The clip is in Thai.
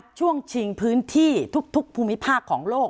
ช่วงชิงพื้นที่ทุกภูมิภาคของโลก